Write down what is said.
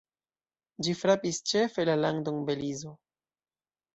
Ĝi frapis ĉefe la landon Belizo.